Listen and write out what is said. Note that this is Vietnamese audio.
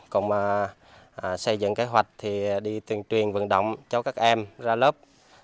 cùng xây dựng kế hoạch đi tuyên truyền vận động cho các em ra lớp